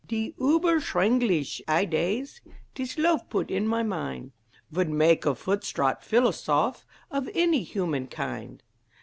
De ueberschwengliche idées Dis lofe put in my mind, Vould make a foostrate philosoph Of any human kind.